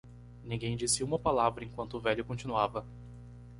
Ninguém disse uma palavra enquanto o velho continuava.